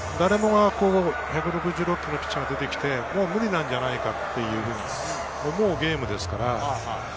誰もが１６６キロのピッチャーが出てきて、もう無理なんじゃないかって思うゲームですから。